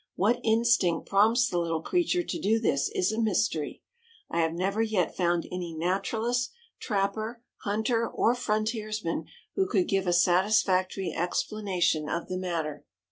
What instinct prompts the little creature to do this, is a mystery. I have never yet found any naturalist, trapper, hunter or frontiersman who could give a satisfactory explanation of the matter.